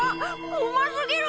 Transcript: うますぎる！